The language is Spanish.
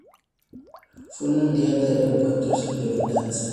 Fue un Mundial de reencuentros y de venganzas.